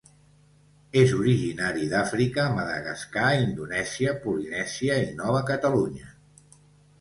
És originària d'Àfrica, Madagascar, Indonèsia, Polinèsia i Nova Catalunya